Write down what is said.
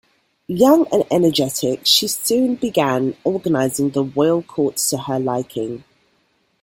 Young and energetic, she soon began organising the royal court to her liking.